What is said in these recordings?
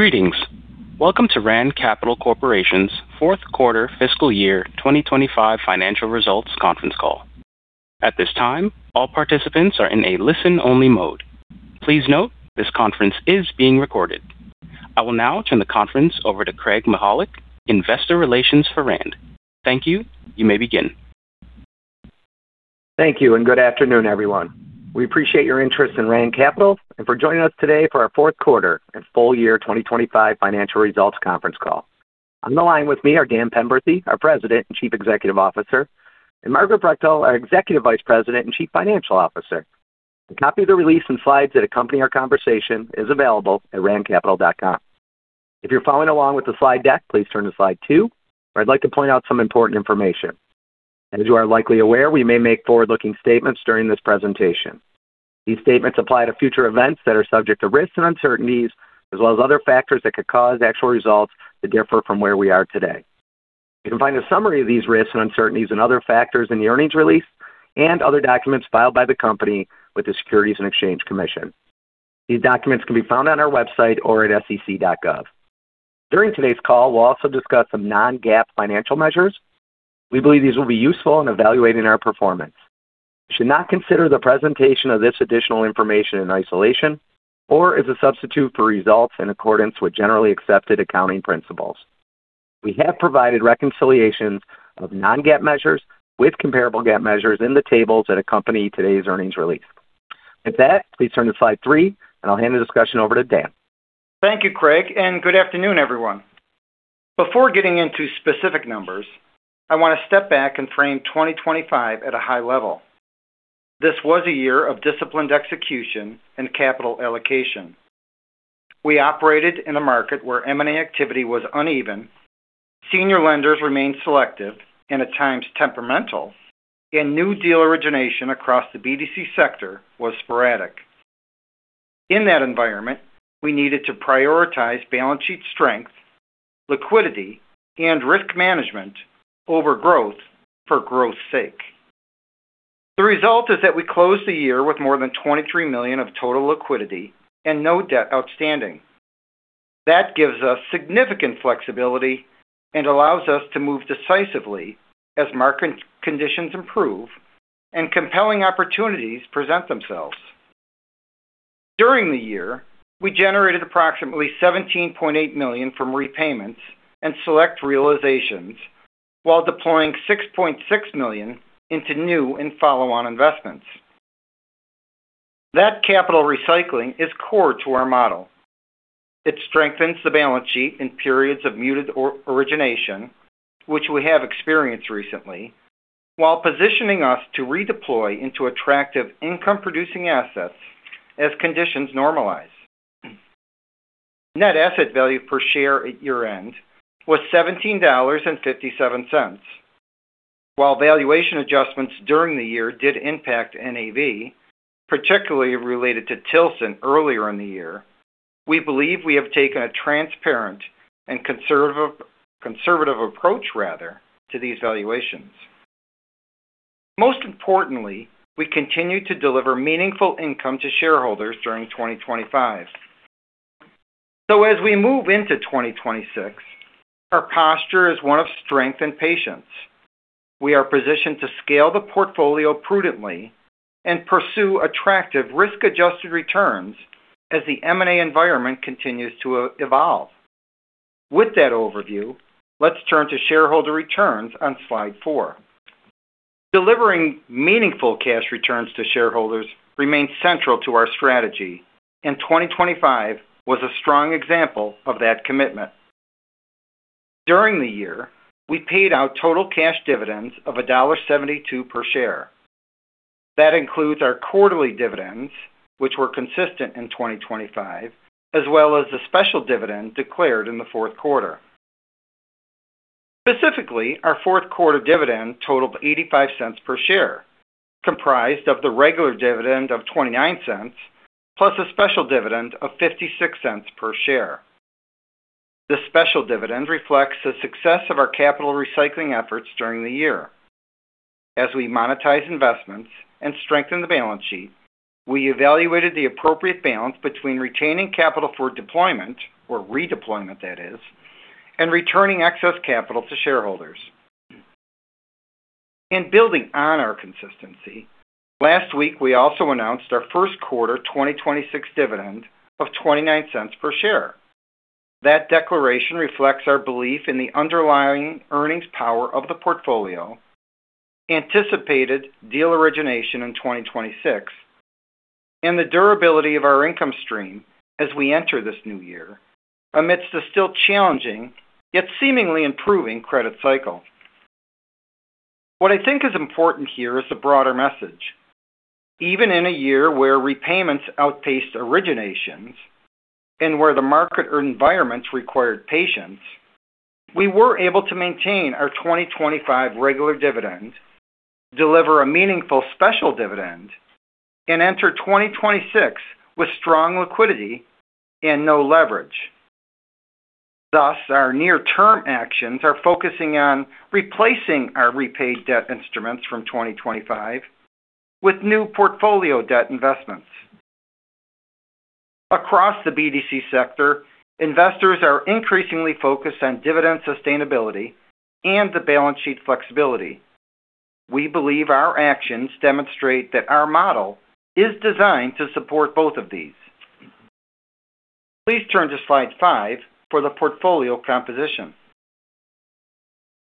Greetings. Welcome to Rand Capital Corporation's Fourth Quarter Fiscal Year 2025 Financial Results Conference Call. At this time, all participants are in a listen-only mode. Please note, this conference is being recorded. I will now turn the conference over to Craig Mychajluk, Investor Relations for RAND. Thank you. You may begin. Thank you, and good afternoon, everyone. We appreciate your interest in Rand Capital and for joining us today for our fourth quarter and full year 2025 financial results conference call. On the line with me are Dan Penberthy, our President and Chief Executive Officer, and Margaret Brechtel, our Executive Vice President and Chief Financial Officer. A copy of the release and slides that accompany our conversation is available at randcapital.com. If you're following along with the slide deck, please turn to slide two, where I'd like to point out some important information. As you are likely aware, we may make forward-looking statements during this presentation. These statements apply to future events that are subject to risks and uncertainties, as well as other factors that could cause actual results to differ from where we are today. You can find a summary of these risks and uncertainties and other factors in the earnings release and other documents filed by the company with the Securities and Exchange Commission. These documents can be found on our website or at sec.gov. During today's call, we'll also discuss some non-GAAP financial measures. We believe these will be useful in evaluating our performance. You should not consider the presentation of this additional information in isolation or as a substitute for results in accordance with generally accepted accounting principles. We have provided reconciliations of non-GAAP measures with comparable GAAP measures in the tables that accompany today's earnings release. With that, please turn to slide three, and I'll hand the discussion over to Dan. Thank you, Craig. Good afternoon, everyone. Before getting into specific numbers, I want to step back and frame 2025 at a high level. This was a year of disciplined execution and capital allocation. We operated in a market where M&A activity was uneven, senior lenders remained selective and at times temperamental, and new deal origination across the BDC sector was sporadic. In that environment, we needed to prioritize balance sheet strength, liquidity, and risk management over growth for growth's sake. The result is that we closed the year with more than $23 million of total liquidity and no debt outstanding. That gives us significant flexibility and allows us to move decisively as market conditions improve and compelling opportunities present themselves. During the year, we generated approximately $17.8 million from repayments and select realizations while deploying $6.6 million into new and follow-on investments. That capital recycling is core to our model. It strengthens the balance sheet in periods of muted or-origination, which we have experienced recently, while positioning us to redeploy into attractive income-producing assets as conditions normalize. Net asset value per share at year-end was $17.57. While valuation adjustments during the year did impact NAV, particularly related to Tilson earlier in the year, we believe we have taken a transparent and conservative approach rather to these valuations. Most importantly, we continued to deliver meaningful income to shareholders during 2025. As we move into 2026, our posture is one of strength and patience. We are positioned to scale the portfolio prudently and pursue attractive risk-adjusted returns as the M&A environment continues to evolve. With that overview, let's turn to shareholder returns on slide four. Delivering meaningful cash returns to shareholders remains central to our strategy, and 2025 was a strong example of that commitment. During the year, we paid out total cash dividends of $1.72 per share. That includes our quarterly dividends, which were consistent in 2025, as well as the special dividend declared in the 4th quarter. Specifically, our 4th quarter dividend totaled $0.85 per share, comprised of the regular dividend of $0.29 plus a special dividend of $0.56 per share. This special dividend reflects the success of our capital recycling efforts during the year. As we monetize investments and strengthen the balance sheet, we evaluated the appropriate balance between retaining capital for deployment or redeployment that is, and returning excess capital to shareholders. In building on our consistency, last week, we also announced our 1st quarter 2026 dividend of $0.29 per share. That declaration reflects our belief in the underlying earnings power of the portfolio, anticipated deal origination in 2026, and the durability of our income stream as we enter this new year amidst a still challenging yet seemingly improving credit cycle. What I think is important here is the broader message. Even in a year where repayments outpaced originations and where the market or environments required patience, we were able to maintain our 2025 regular dividend, deliver a meaningful special dividend, and enter 2026 with strong liquidity and no leverage. Our near-term actions are focusing on replacing our repaid debt instruments from 2025 with new portfolio debt investments. Across the BDC sector, investors are increasingly focused on dividend sustainability and the balance sheet flexibility. We believe our actions demonstrate that our model is designed to support both of these. Please turn to slide five for the portfolio composition.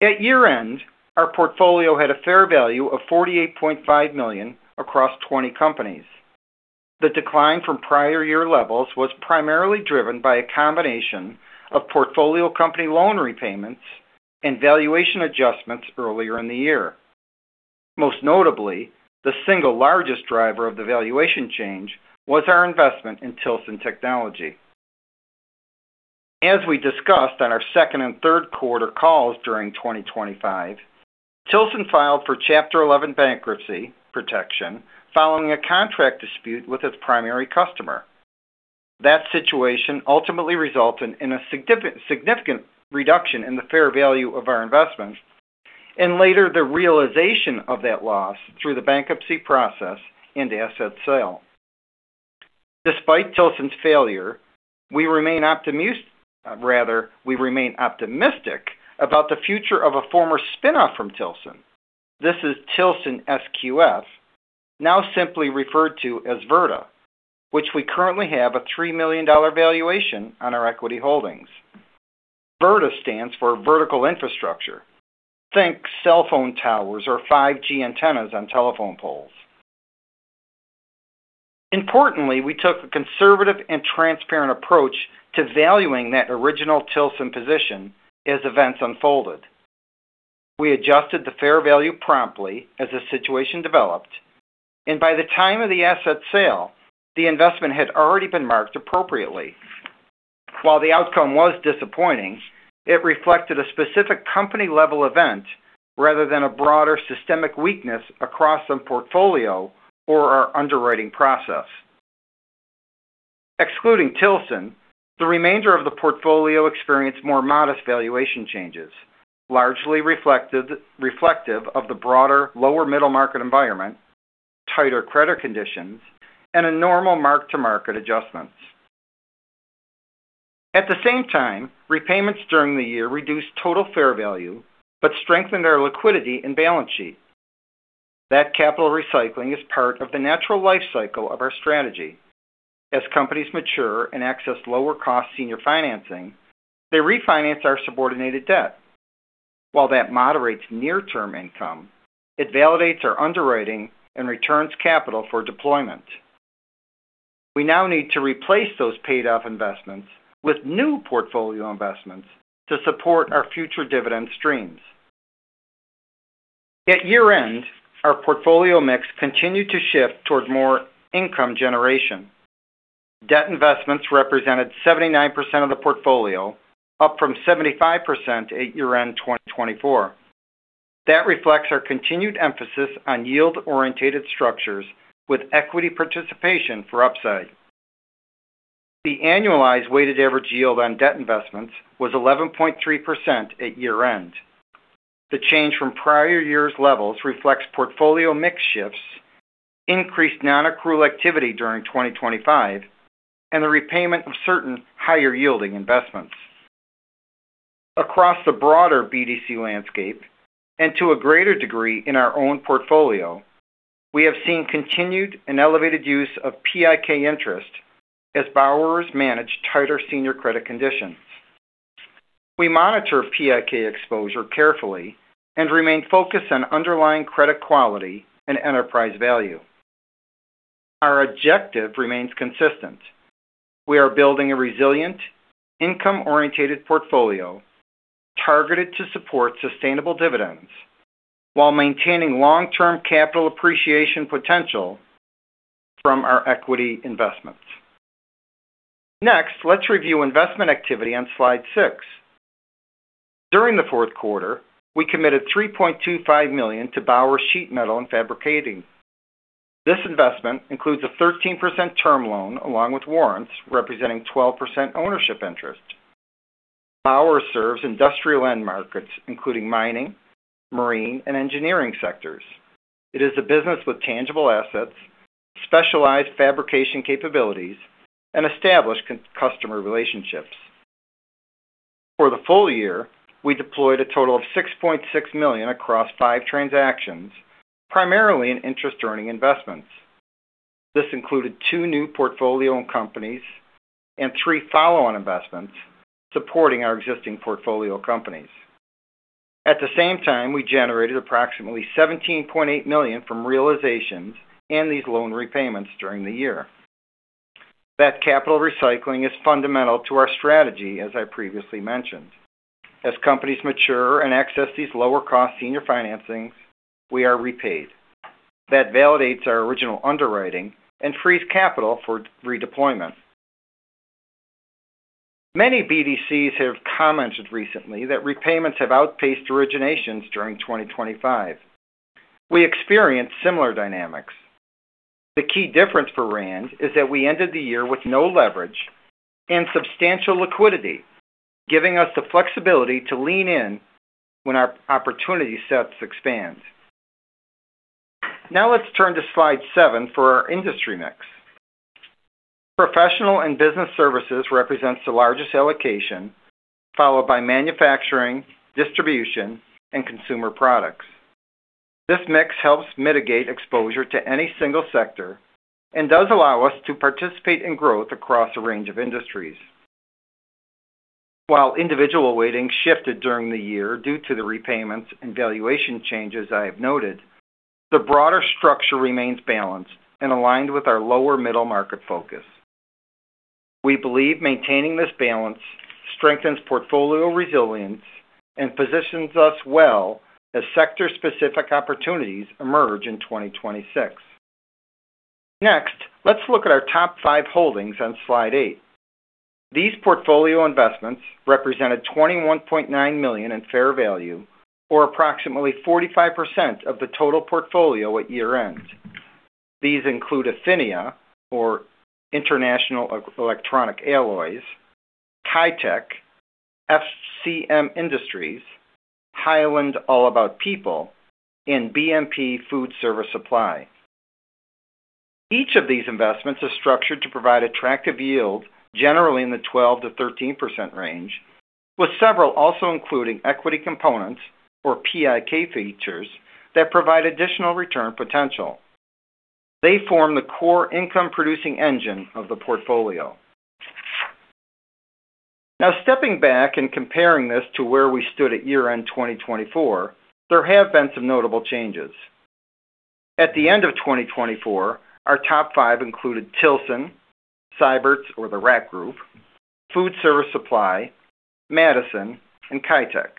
At year-end, our portfolio had a fair value of $48.5 million across 20 companies. The decline from prior year levels was primarily driven by a combination of portfolio company loan repayments and valuation adjustments earlier in the year. Most notably, the single largest driver of the valuation change was our investment in Tilson Technology. As we discussed on our second and third quarter calls during 2025, Tilson filed for Chapter 11 bankruptcy protection following a contract dispute with its primary customer. That situation ultimately resulted in a significant reduction in the fair value of our investment and later the realization of that loss through the bankruptcy process and asset sale. Despite Tilson's failure, we remain optimistic about the future of a former spinoff from Tilson. This is Tilson SQF, now simply referred to as Virta, which we currently have a $3 million valuation on our equity holdings. Virta stands for vertical infrastructure. Think cell phone towers or 5G antennas on telephone poles. Importantly, we took a conservative and transparent approach to valuing that original Tilson position as events unfolded. We adjusted the fair value promptly as the situation developed, and by the time of the asset sale, the investment had already been marked appropriately. While the outcome was disappointing, it reflected a specific company-level event rather than a broader systemic weakness across the portfolio or our underwriting process. Excluding Tilson, the remainder of the portfolio experienced more modest valuation changes, largely reflective of the broader lower middle market environment, tighter credit conditions, and a normal mark-to-market adjustments. At the same time, repayments during the year reduced total fair value, but strengthened our liquidity and balance sheet. That capital recycling is part of the natural life cycle of our strategy. As companies mature and access lower cost senior financing, they refinance our subordinated debt. While that moderates near-term income, it validates our underwriting and returns capital for deployment. We now need to replace those paid off investments with new portfolio investments to support our future dividend streams. At year-end, our portfolio mix continued to shift towards more income generation. Debt investments represented 79% of the portfolio, up from 75% at year-end 2024. That reflects our continued emphasis on yield-orientated structures with equity participation for upside. The annualized weighted average yield on debt investments was 11.3% at year-end. The change from prior year's levels reflects portfolio mix shifts, increased non-accrual activity during 2025, and the repayment of certain higher-yielding investments. Across the broader BDC landscape, and to a greater degree in our own portfolio, we have seen continued and elevated use of PIK interest as borrowers manage tighter senior credit conditions. We monitor PIK exposure carefully and remain focused on underlying credit quality and enterprise value. Our objective remains consistent. We are building a resilient, income-orientated portfolio targeted to support sustainable dividends while maintaining long-term capital appreciation potential from our equity investments. Next, let's review investment activity on slide 6. During the fourth quarter, we committed $3.25 million to Bauer Sheet Metal and Fabricating. This investment includes a 13% term loan along with warrants representing 12% ownership interest. Bauer serves industrial end markets, including mining, marine, and engineering sectors. It is a business with tangible assets, specialized fabrication capabilities, and established customer relationships. For the full year, we deployed a total of $6.6 million across five transactions, primarily in interest-earning investments. This included two new portfolio companies and three follow-on investments supporting our existing portfolio companies. At the same time, we generated approximately $17.8 million from realizations and these loan repayments during the year. That capital recycling is fundamental to our strategy, as I previously mentioned. As companies mature and access these lower cost senior financings, we are repaid. That validates our original underwriting and frees capital for redeployment. Many BDCs have commented recently that repayments have outpaced originations during 2025. We experienced similar dynamics. The key difference for Rand is that we ended the year with no leverage and substantial liquidity, giving us the flexibility to lean in when our opportunity sets expand. Let's turn to slide seven for our industry mix. Professional and business services represents the largest allocation, followed by manufacturing, distribution, and consumer products. This mix helps mitigate exposure to any single sector and does allow us to participate in growth across a range of industries. While individual weighting shifted during the year due to the repayments and valuation changes I have noted, the broader structure remains balanced and aligned with our lower middle market focus. We believe maintaining this balance strengthens portfolio resilience and positions us well as sector-specific opportunities emerge in 2026. Let's look at our top 5 holdings on slide 8. These portfolio investments represented $21.9 million in fair value or approximately 45% of the total portfolio at year-end. These include Athenex or Inter-National Electronic Alloys, Caitec, FCM Industries, Highland All About People, and BMP Food Service Supply. Each of these investments is structured to provide attractive yield generally in the 12%-13% range, with several also including equity components or PIK features that provide additional return potential. They form the core income-producing engine of the portfolio. Stepping back and comparing this to where we stood at year-end 2024, there have been some notable changes. At the end of 2024, our top five included Tilson, Seyberts or The Rack Group, Foodservice Supply, Madison, and Caitec.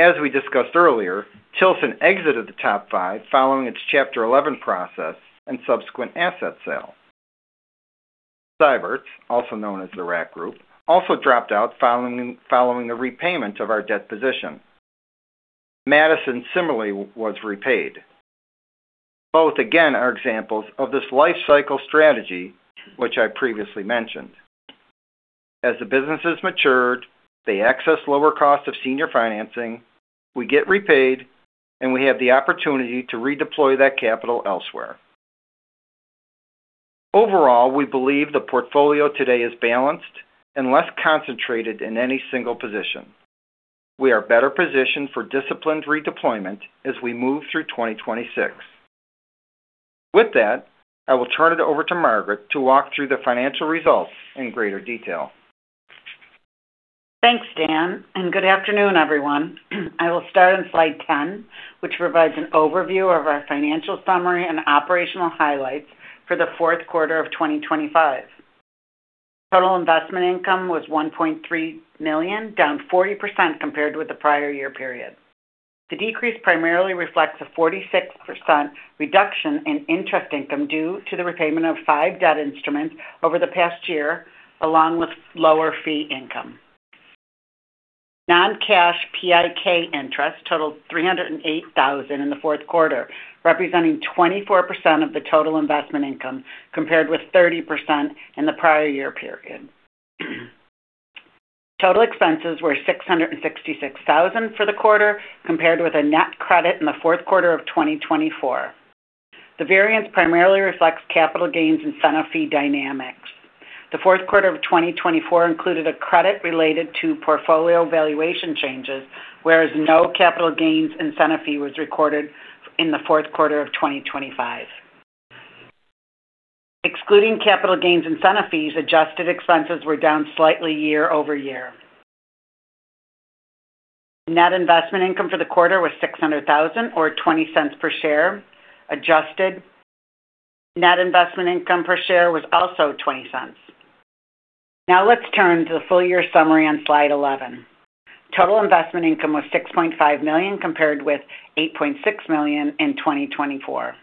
As we discussed earlier, Tilson exited the top five following its Chapter 11 process and subsequent asset sale. Seyberts, also known as The Rack Group, also dropped out following the repayment of our debt position. Madison similarly was repaid. Both again are examples of this life cycle strategy, which I previously mentioned. As the businesses matured, they access lower cost of senior financing, we get repaid, and we have the opportunity to redeploy that capital elsewhere. Overall, we believe the portfolio today is balanced and less concentrated in any single position. We are better positioned for disciplined redeployment as we move through 2026. With that, I will turn it over to Margaret to walk through the financial results in greater detail. Thanks, Dan. Good afternoon, everyone. I will start on slide 10, which provides an overview of our financial summary and operational highlights for the fourth quarter of 2025. Total investment income was $1.3 million, down 40% compared with the prior year period. The decrease primarily reflects a 46% reduction in interest income due to the repayment of 5 debt instruments over the past year, along with lower fee income. Non-cash PIK interest totaled $308,000 in the fourth quarter, representing 24% of the total investment income, compared with 30% in the prior year period. Total expenses were $666,000 for the quarter, compared with a net credit in the fourth quarter of 2024. The variance primarily reflects capital gains incentive fee dynamics. The fourth quarter of 2024 included a credit related to portfolio valuation changes, whereas no capital gains incentive fee was recorded in the fourth quarter of 2025. Excluding capital gains incentive fees, adjusted expenses were down slightly year-over-year. Net investment income for the quarter was $600,000 or $0.20 per share. Adjusted net investment income per share was also $0.20. Let's turn to the full year summary on slide 11. Total investment income was $6.5 million, compared with $8.6 million in 2024.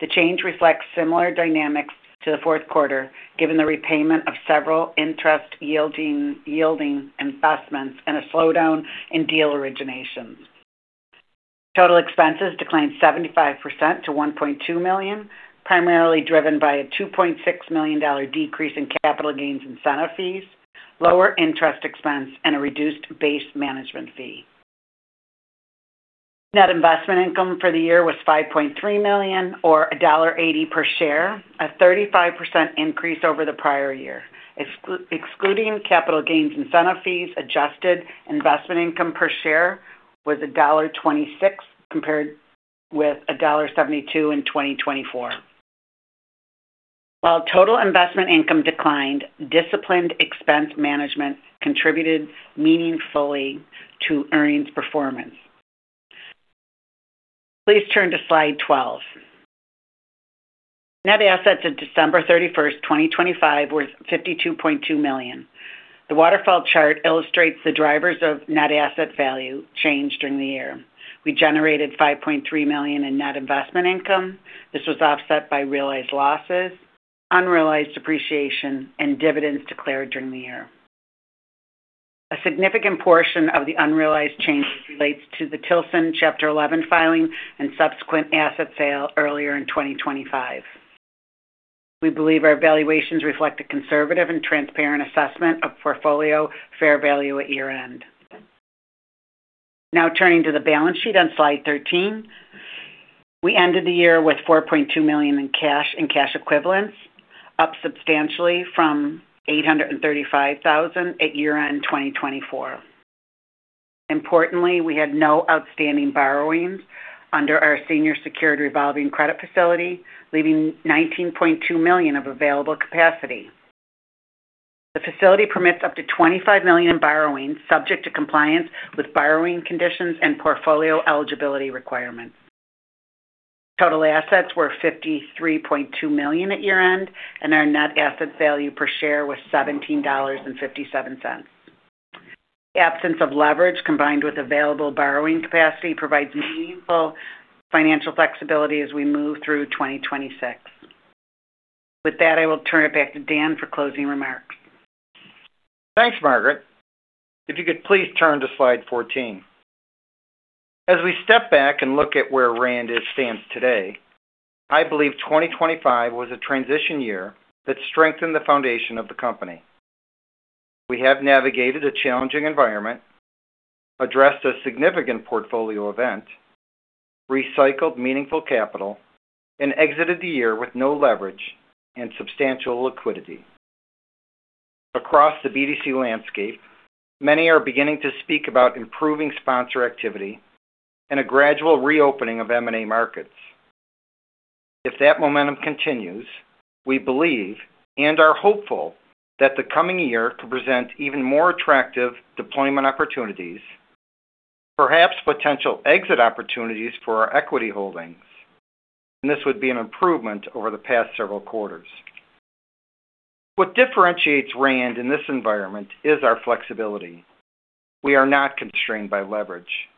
The change reflects similar dynamics to the fourth quarter, given the repayment of several interest-yielding investments and a slowdown in deal originations. Total expenses declined 75% to $1.2 million, primarily driven by a $2.6 million decrease in capital gains incentive fees, lower interest expense, and a reduced base management fee. Net investment income for the year was $5.3 million or $1.80 per share, a 35% increase over the prior year. Excluding capital gains incentive fees, adjusted investment income per share was $1.26, compared with $1.72 in 2024. While total investment income declined, disciplined expense management contributed meaningfully to earnings performance. Please turn to slide 12. Net assets of December 31st, 2025 were $52.2 million. The waterfall chart illustrates the drivers of net asset value change during the year. We generated $5.3 million in net investment income. This was offset by realized losses, unrealized appreciation, and dividends declared during the year. A significant portion of the unrealized changes relates to the Tilson Chapter 11 filing and subsequent asset sale earlier in 2025. We believe our valuations reflect a conservative and transparent assessment of portfolio fair value at year-end. Turning to the balance sheet on slide 13. We ended the year with $4.2 million in cash and cash equivalents, up substantially from $835,000 at year-end 2024. Importantly, we had no outstanding borrowings under our senior secured revolving credit facility, leaving $19.2 million of available capacity. The facility permits up to $25 million in borrowings subject to compliance with borrowing conditions and portfolio eligibility requirements. Total assets were $53.2 million at year-end. Our net asset value per share was $17.57. The absence of leverage, combined with available borrowing capacity, provides meaningful financial flexibility as we move through 2026. With that, I will turn it back to Dan for closing remarks. Thanks, Margaret. If you could please turn to slide 14. As we step back and look at where Rand stands today, I believe 2025 was a transition year that strengthened the foundation of the company. We have navigated a challenging environment, addressed a significant portfolio event, recycled meaningful capital, and exited the year with no leverage and substantial liquidity. Across the BDC landscape, many are beginning to speak about improving sponsor activity and a gradual reopening of M&A markets. If that momentum continues, we believe and are hopeful that the coming year could present even more attractive deployment opportunities, perhaps potential exit opportunities for our equity holdings, and this would be an improvement over the past several quarters. What differentiates Rand in this environment is our flexibility. We are not constrained by leverage.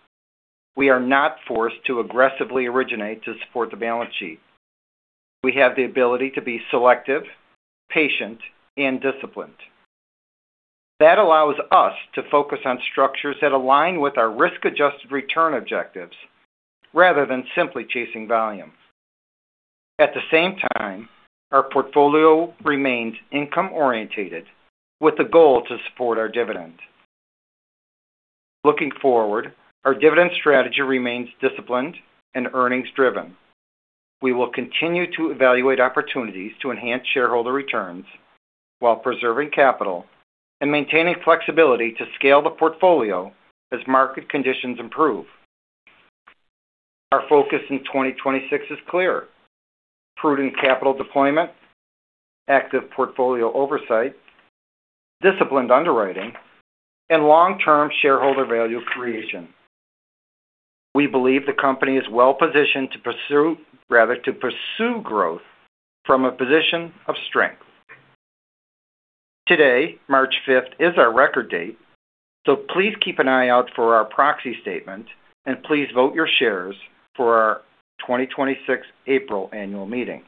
We are not forced to aggressively originate to support the balance sheet. We have the ability to be selective, patient, and disciplined. That allows us to focus on structures that align with our risk-adjusted return objectives rather than simply chasing volume. At the same time, our portfolio remains income-orientated with the goal to support our dividend. Looking forward, our dividend strategy remains disciplined and earnings-driven. We will continue to evaluate opportunities to enhance shareholder returns while preserving capital and maintaining flexibility to scale the portfolio as market conditions improve. Our focus in 2026 is clear. Prudent capital deployment, active portfolio oversight, disciplined underwriting, and long-term shareholder value creation. We believe the company is well positioned to pursue growth from a position of strength. Today, March fifth, is our record date. Please keep an eye out for our proxy statement and please vote your shares for our 2026 April annual meeting.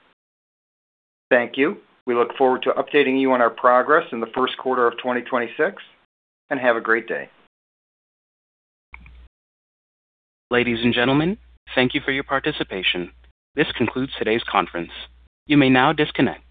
Thank you. We look forward to updating you on our progress in the first quarter of 2026. Have a great day. Ladies and gentlemen, thank you for your participation. This concludes today's conference. You may now disconnect.